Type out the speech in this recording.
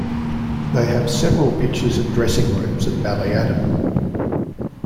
They have several pitches and dressing rooms at Ballyadam.